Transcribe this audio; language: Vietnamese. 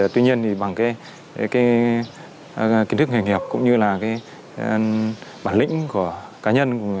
tuy nhiên bằng kiến thức nghề nghiệp cũng như bản lĩnh cá nhân